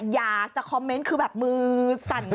อยากจะคอมเมนต์คือแบบมือสั่น